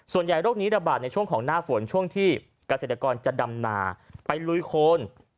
ส่วนใหญ่โรคนี้ระบาดในช่วงของหน้าฝนช่วงที่กระเสธกรจะดำนาไปลุยโคน